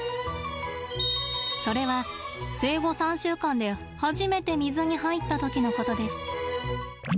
それは生後３週間で初めて水に入った時のことです。